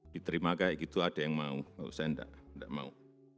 diterima kayak gitu ada yang mau kalau saya enggak enggak mau